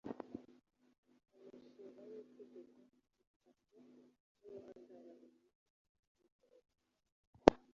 Umushinga w itegeko bisabwe n uhagarariye Guverinoma